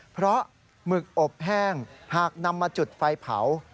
เพราะหมึกอบแห้งหากนำมาจุดไฟเผา